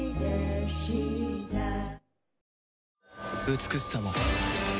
美しさも